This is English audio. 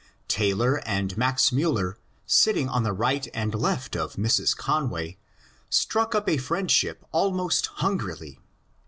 Taylor and Max Miiller, sitting on the right and left of Mrs. Conway, struck up a friendship almost hun grily.